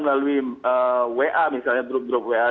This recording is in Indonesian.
melalui wa misalnya grup grup wa